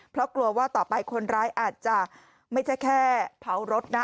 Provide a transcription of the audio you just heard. เพราะกลัวว่าต่อไปคนร้ายอาจจะไม่ใช่แค่เผารถนะ